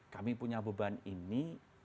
kami punya beban ini